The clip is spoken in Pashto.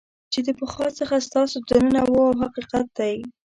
چې د پخوا څخه ستاسو دننه وو دا حقیقت دی.